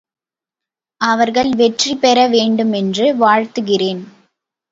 அவர்கள் வெற்றி பெற வேண்டுமென்று வாழ்த்துகிறேன்.